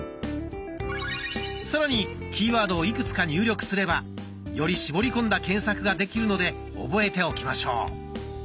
さらにキーワードをいくつか入力すればより絞り込んだ検索ができるので覚えておきましょう。